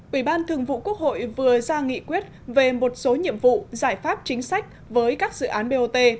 ủy ban thường vụ quốc hội vừa ra nghị quyết về một số nhiệm vụ giải pháp chính sách với các dự án bot